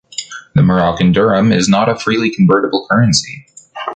The Moroccan Dirham is not a freely convertible currency.